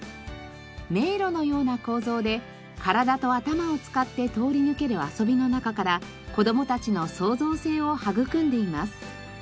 迷路のような構造で体と頭を使って通り抜ける遊びの中から子どもたちの創造性を育んでいます。